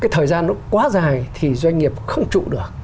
thì doanh nghiệp không trụ được